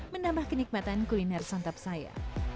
menambah kenikmatan kuliner santap saya